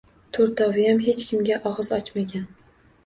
To‘rttoviyam hech kimga og‘iz ochmagan